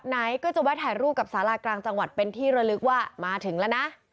ไหนก็จะแวะถ่ายรูปกับสารากลางจังหวัดเป็นที่ระลึกว่ามาถึงแล้วนะ